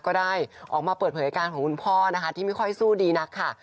ก็ได้ออกมาเปิดเผยอาการของคุณพ่อนะคะที่ไม่ค่อยสู้ดีนักค่ะ